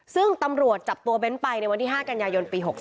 ซึ่งตำรวจจับตัวเบ้นไปในวันที่๕กันยายนปี๖๓